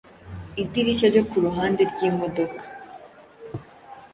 idirishya ryo ku ruhande ry'imodoka